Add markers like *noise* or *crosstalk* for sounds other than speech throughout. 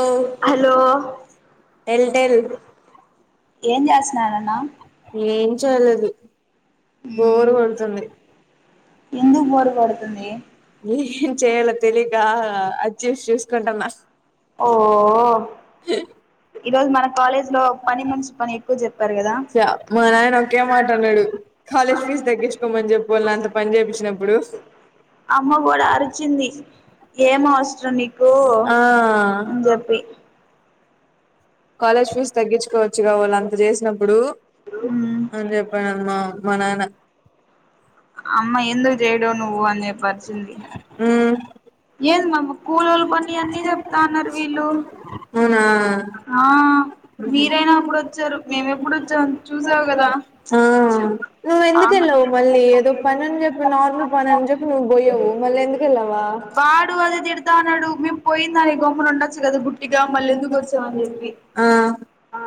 ఓ hello tell tell ఏం చేస్తానారన్న ఏం చేయలేదు బోర్ కొడుతుంది ఎందురు బోర్ కొడుతుందీ ఏం చేయాలో తెలీకా అడ్జస్ట్ చేసుకుంటున్నా ఓ ఈరోజు మన కాలేజ్ లో పని మనిషి పని ఎక్కువ చెప్పారు కదా చ మా నాయన ఒకే మాటన్నడూ కాలేజ్ ఫీజ్ తగించుకోమను చేప్పు వాళ్లంత పని చెపించినపుడు అమ్మ గూడ అరిచింది ఏం అవసరం నీకూ ఆ అని జెప్పి కాలేజ్ ఫీజ్ తగ్గిచ్చుకోవచ్చు గా వాళ్లంత చేసినప్పుడూ అని చెప్పా మా మా నాయన అమ్మ ఎందుకు చేయడు నువ్వు అని చెప్పి నువ్వు అర్చింది పనులు అన్నీ చెప్తా అన్నారు వీళ్ళు అవునా ఆ మీరైనా అప్పుడొచ్చారు మేము ఎప్పుడొచ్చాం చూసావ్ గదా ఆ చెప్ నువ్వు ఎందుకెళ్ళవు మళ్ళీ ఏదో పని చెప్పి నార్మల్ పని చెప్పి నువ్వు పోయావు మళ్ళ ఎందుకు వెళ్లవు వాడూ అదే తిడతాన్నాడు మేం పోయిందానికి గమ్మునుండొచ్చు కదా గుట్టిగా మల్లెందుకు వచ్ ఇస్తా అని చెప్పి ఆ ఆ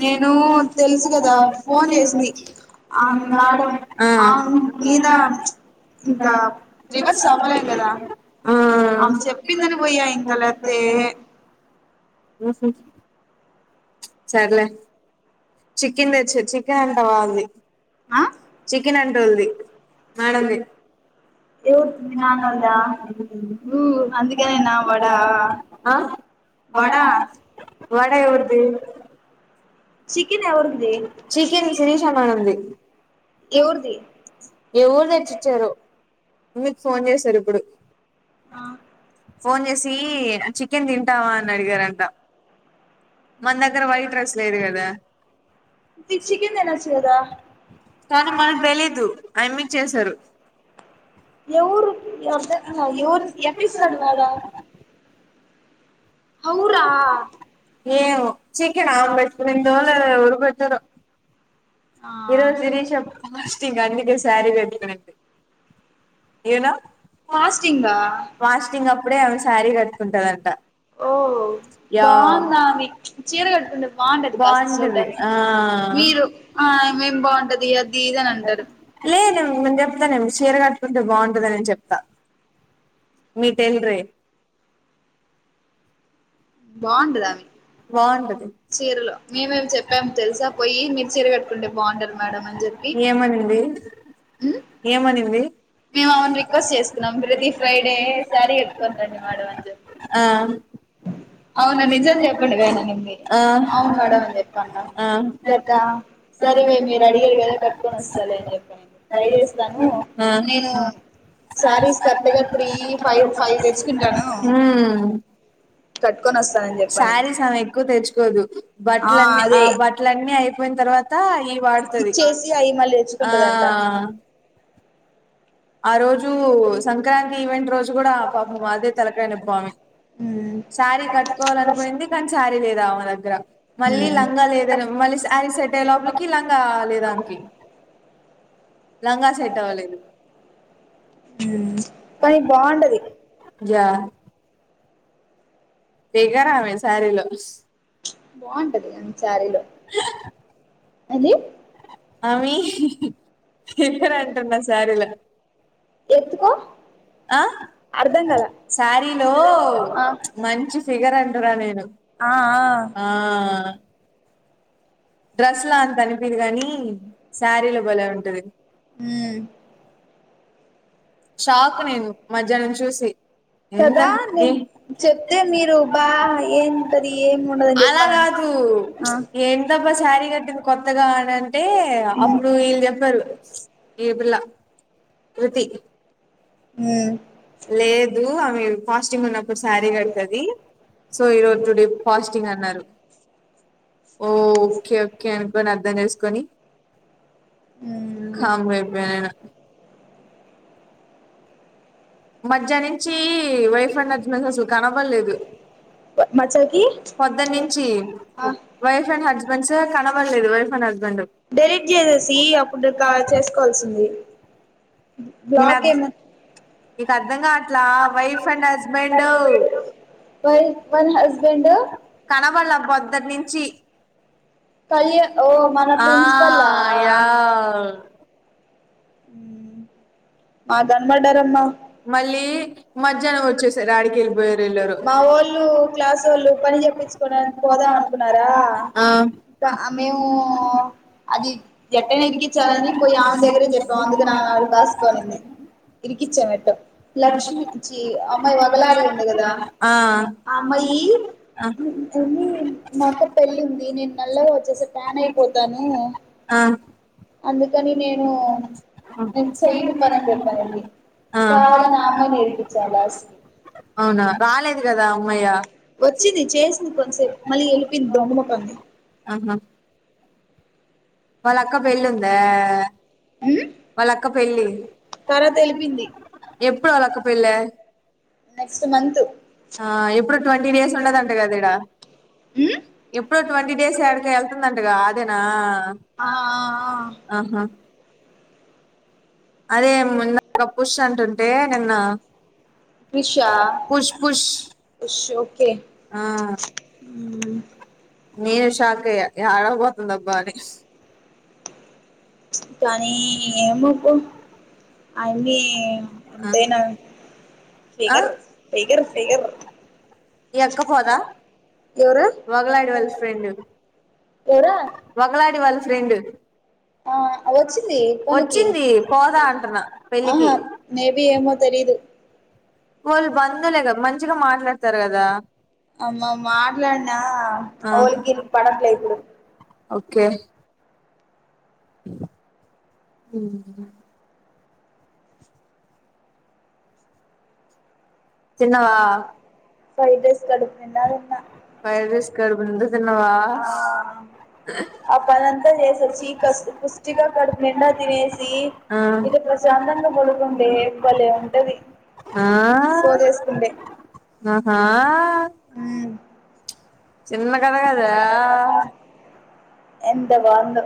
నేనూ తెల్సు గదా ఫోన్ చేసింది ఆ మి మ్యాడం ఆ ఆమ్ మీదా ఇంకా రివర్స్ అవ్వలేం గదా ఆ అమె చెప్పిందని పోయా ఇంకలతే సర్లే చికెన్ తెచ్చ చికెన్ అంట వాళ్ళది ఆ చికెన్ అంట వొళది మేడం ది ఎవరు మీ నాన్నోల్దా ఊ అందుకనేనా వడా ఆ వడా వాడ ఎవరిది చికెన్ ఎవరిది చికెన్ శిరీష మేడం ది ఎవరిది ఎవరు తెచ్చిచ్చారో అమిత్ ఫోన్ చేశారు ఇప్పుడు ఆ ఫోన్ చేసి చికెన్ తింటావా అని అడిగారంట మన దగ్గర వైట్ ర్రెస్ లేదు కదా చికెన్ తినొచ్చు కదా కానీ మకు తెలీదు అయమ్మీకి చేశారు ఎవరు ఎ ఎవరు ఎట్లీస్తాడు వాడా అవురా ఏమొ చీకెన్ ఆంబట్ళ నిను చూడలేదు ఎవరు పెట్టారో ఆ ఈ రోజు గిరీష ఫాస్టింగ్ అందుకే సారీ కట్టుకునింది యు నో ఫస్టీంగ్ అ అప్పుడే ఆమె శారీ కట్టుకుంటదంట ఓ యా బాగుందా మీ చీర కట్టుకుంటే బాగుంటది కాస్త బాగుంటది చూడ్డానికి మీరు ఆ మేం బాగుంటది అది ఇది అని అంటారు తె నిను నిం చెప్తా నిను చీర కట్టుకుంటే బాగుంటదని చెప్తా మీ టేల్ రే బాగుంటదమే బాగుంటది చీరలో మీమేం చెప్పాము తెలుసా పోయి మీరు చీర కట్టుకుంటే బాగుంటారు మేడం అని చెప్పి ఏమనింది ఏమనింది మేము అవును రిక్వెస్ట్ చేస్తున్నాం ప్రతి ఫ్రైడే శారీ కట్టుకుని రండి మేడం అని చెప్పి ఆ అవునా నిజం చెప్పండి వేనంది ఆ అవును మేడం అని చెప్పాన్న ఆ కదా సరే మే మీరు అడిగారు కదా కట్టుకొని వస్తాలే అని చెప్పనింది ట్రై చేస్తాను ఆ నేను సారీస్ కరెక్ట్ గా త్రీ ఫైవ్ ఫైవ్ తెచ్చుకుంటాను మ్మ్ కట్టుకొని వస్తానని చెప్పనింది శారీస్ ఆమె ఎక్కువ తెచ్చుకోదు బట్టలన్నీ ఆ బట్టలన్నీ అయిపోయిన తర్వాత్ త ఇయ్యి వాడుతది ఇచ్చేసి అవి మళ్ళీ ఆ తెచ్చుకుంటదంట ఆ రోజు సంక్రాంతి ఈవెంట్ రోజు కూడా పాపం అదే తలకైయనోప్పి ఆమె మ్మ్ శారీ కట్టుకోవాలనుకునింది కానీ శారీ లేదామే దగ్గర మళ్ళీ మ్మ్ లంగా లేదని మళ్ళీ శరిసెట్ అయ్యే లోపలికి లంగా లేదామేకి లంగా సెట్ అవ్వాలేదు మ్మ్ కానీ బాగుంటది జ ఫిగర్ ఆమె సారిలో బాగుంటది ఆమె సారిలో ఎంది ఆమె ఫిగర్ అంటున్న శారీలో కో ఆ అర్ధ శారీలో మంచి ఫిగర్ అంటున్న నేను ఆ డ్రస్ లా అంత అనిపియదు కానీ శారీలో బలే ఉంటది మ్మ్ షాక్ నేను మధ్యాహ్నం చూసి ఎంత కదా ఏ నేను చెప్తే మీరు బా ఏంటది ఏమి ఉండదని అలా చెప్పాను కదూ పు ఆ ఏందబ్బా శారీ కట్టింది కొత్తగా అని అంటే అప్పుడు వీళ్ళు చెప్పారు అ ఈ పిల్ల కృతి హు లేదు ఆమె ఫాస్టింగ్ ఉన్నప్పుడు శారీ కడుతది సో ఈరోజు టుడే ఫాస్టింగ్ అన్నారు *inaudible* ఓ ఓకే ఓకే అనుకోని అర్థం చెసుకొని ఉమ్ కామ్ గా అయిపోయిన మధ్యాహ్ నుంచి వైఫ్ అండ్ హుస్బేండ్ అసలు కనపడలేదు మచ్చకి పొద్దున్న నుంచి వైఫ్ అండ్ హస్బెండ్స్ కనబడలేదు వైఫ్ అండ్ హస్బె డెలీట్ చేసేసి అప్పుడు చేసుకోవాల్సింది బ్లాక్ ఏమ నిక్ అర్ధంగాట్లా వైఫ్ అండ్ హస్బెండ్ వై వన్ హస్బెండ్ కనబల్ల పొద్దునుంచి కళ్యా ఓ మన ఆ ప్రిన్సిపల్ య ఆ కనపడ్డారమ్మ మళ్ళీ మధ్యాహ్నం వచ్చేసారు అడిక వెళ్ళి పోయరుళరు చెప్పించుకోనికి పోదాం అనుకున్నారా ఆ ఇంకా మేము అది ఎటైనా ఇరికించాలని పోయి ఆమె దగ్గరే చెప్పాం అందుకని ఆమె ఆడ కాసుకొనింది ఇరికిచం లక్ష్మి జీ అమ్మాయి వగలాడి ఉంది కదా ఆ ఆ అమ్మాయి ఆ అ మాక్క పెళ్ళి ఉంది నేను నల్లగా వచ్చేస్త టాన్ అయిపోతాను ఆ అందుకని నేను *inaudible* నేను చెయ్యను పని అని చెప్పనింది ఆ కావాలని ఆ అమ్మాయిని ఇరికిచ్చాం లాస్ట్ కి అవునా రాలేదు కదా అమ్మయ్య వచ్చింది చేసింది కొన్సేపు మళ్ళీ వెళ్ళిపోయింది దొంగమొకంది ఆహా వాళ్ళ అక్క పెళ్లి ఉంద ఉమ్ వాళ్ళక్క పెళ్ళి తర్వాత వెళ్ళిపోయింది ఎప్పుడు వాళ్ళక్క పెళ్ళ నెక్స్ట్ మంత్ ఆ ఎప్పుడు ట్వంటీ ఇయర్స్ ఉండదంట కద ఇడా ఉమ్ ఇప్పుడు ట్వంటీ డేస్ ఎడికి వెళ్తుందంటగా అదేనా ఆ ఆఆ ఆహా అదే నాక పుష్ అంటుంటే నిన్న ఫిష్ ఆ పుష్ పుష్ విష్ ఆ ఒకే ఆ ఉమ్ నేను షాక్ అయ్య యాడికి పోతుంద అబ్బా అని కానీ ఏమోపో ఆ అమ్మి ఎంతేనా ఆ ఫిగర్ ఫిగర్ ఫిగర్ ఇక్కపోదా ఎవరు వగలాడి వాళ్ళ ఫ్రెండు ఎవరా వగలాడి వాళ్ళ ఫ్రెండు అ వచ్చింది పనికి పోదా ఆహా అంటున్నా పెళ్ళికి ఆ మేబి ఏమో తెలీదు వాళ్ళు బంధువులే కదా మంచిగా మాట్లాడతారు కదా అమ్మ మాట్లాడినా ఆ వాళ్ళకి వీళ్లకి పడట్లేదు ఇప్పుడు ఓకే ఉమ్ తిన్నవా ఫ్రైడ్ రైస్ కడుపు నిండా తిన్న ఫ్రైడ్ రైస్ కడుపు నిండా తిన్నవా అ పనంతా చేసొచ్చి క పుష్టిగా కడుపు నిండా తినేసి ఆ ఇది ప్రశాంతంగా పొడుగుంటే బలే ఉంటది ఆ సోదేసుకుంటే ఆహా ఉమ్ చిన్న కదగదే ఎంత బాందో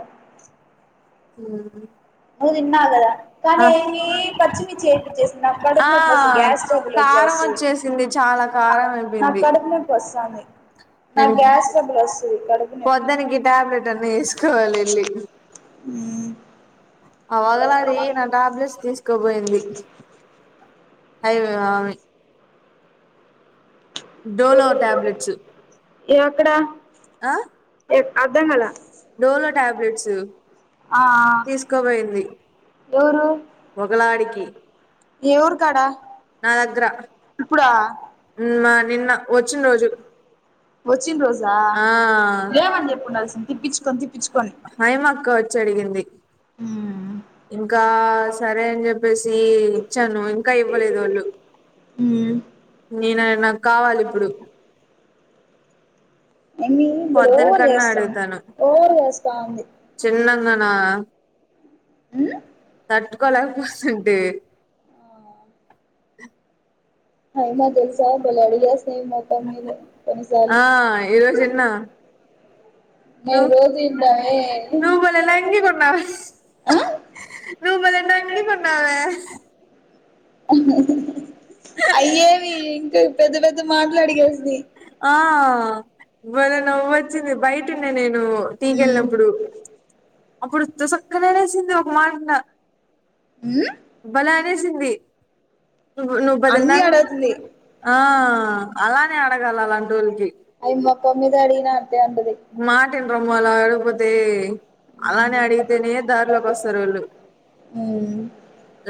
హు నువ్వు తిన్నావుకదా కానీ ఏమి పచ్చిమిర్చి ఎపిచ్చేసినా ఆ కడుపునొపి వస్తు గ్యాస్ ట్రబుల్ లో కారం గ్యాసు వచ్చేసింది చాలా కారం నాక్ అయిపోయింది కడుపునొప్పి వస్తాంది నా నేను గ్యాస్ ట్రాబ్యూల్ వస్తుంది కడుపు నొప్పి పొద్దునికి టాబ్లెట్ అన్నా వేసుకోవాలి వెళ్ళి ఉమ్ అ *unintelligible* నా టాబ్లెట్స్ తీస్కావోయింది అయి నావి డోలో ట్యాబ్లెట్స్ ఎక్కడ అ అర్ధం కాల డోలో ట్యాబ్లెట్స్ తీస్కావోయింది దూరు వగలాడికి ఊరు కాడ నా దగ్గర ఇప్పుడా న్మ నిన్న ఓచున్ రోజు చ్చిన్ రోజా ఆ లేవన్ చెప్పుండాల్సింది తిప్పిచుకొని తిప్పిచుకొని హాయ్ మకొచ్చి అడిగింది ఉమ్ ఇంకా సరే అని జెప్పేసి ఇచ్చాను ఇంకా ఇవ్వలేదు వాళ్ళు హ్మ్ నేన నాక్ కావాలిప్పుడు మమ్మీ భలే పొద్దన్ ఓవర్ కన్నా చేస్తాంది అడుగుతాను ఓవర్ చేస్తాంది చిన్న నన్న ఉమ్ తట్టుకోలేకపోతుంది *inaudible* అయినా తెలుసా బలే అడిగేసిన మొకం మీద కొన్నిసార్లు ఆ *inaudible* ను మేము రోజు వింటామే ను బలే లంగి కొన్నా ఆ నువ్ బలే నంగి కొన్నావే అయ్యేవి ఇంకా పెద్ద పెద్ద మాట్ల్ అడిగేసి అ బలే నవ్వచ్చింది బయటున్నా నేను ఉమ్ టీకెళ్ళినప్పుడు అప్పుడు తుసుక్కున అనేసింది ఒక మాట్న ఉమ్ అనేసింది ను నువ్వు బలే అన్నీ నంగ్ అడుగుతుంది ఆ అలా అడగాల అలాంజుజి అవి మొఖం మీద అడిగినా అట్టే అంటది మాటిండ్రు మల అడుపుతే అలానే అడిగితేనే దార్ లోక్ ఓస్తారుళ్ళు ఉమ్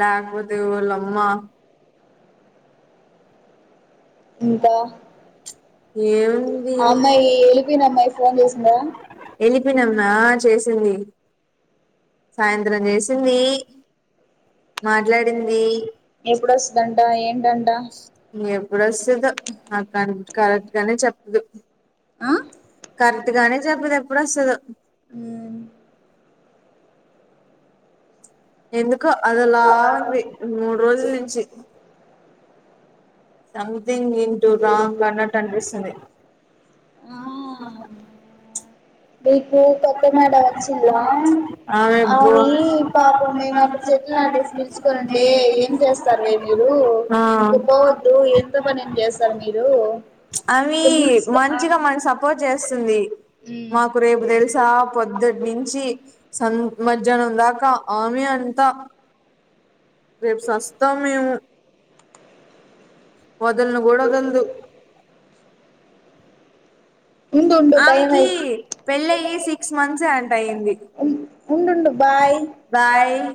లేక్ పో రేయి వల్లఅమ్మా ఇంకా ఏముంది అ అమ్మాయి వెలిపోయిన అమ్మాయి ఫోన్ జెసిందా ప్పినమ్మా చేసింది సాయంత్రం జెసిందీ మాట్లాడిందీ ఎప్పుడొస్తుందంట ఏంటంట ఎమ్ ఎప్పుడోస్తుదో నాక్ కరెక్ట్ గానే చెప్ ద్ అ కరెక్ట్ గానే జెప్పదెప్పుడోస్తదో ఉమ్ ఎందుకో అదోలా ఉంది మూడ్ రోజుల్ నించి సంథింగ్ ఇన్ టు ద అన్నట్టు అన్ పిస్తుంది అ మీకు కొత్త మేడ ఓచ్చిల ఆమె బో అవి పాపం మేము అక్కడ చెట్లు *unintelligible* పిల్ చుకుంటే ఏం చేస్తారు విలు ఇక ఆ పోవద్దు ఎంత పని ఏం జెస్త సారే మీరు చ్ అవి ఇక్కడ నిలుచు ఆ మంచిగా మన సపోర్ట్ చేస్తుంది మ్మ్ మాక్ రేల్ సా పొద్దుట్ నించి స మధ్యాహ్నం దాకా ఆమె అంతా రేప్ సస్తాం మేము వదల్ను కూడావదల్దూ ఉండు ఉండు టైం ఆమెకి అయి పెళ్ళి అయ్యి సిక్స్ మంత్సే అంట అయింది ఉండుండు బాయ్ బాయ్